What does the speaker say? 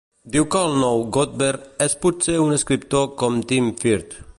Diu que el "nou Godber" és potser un escriptor com Tim Firth.